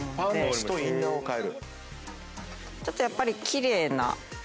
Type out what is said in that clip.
ちょっとやっぱり奇麗な。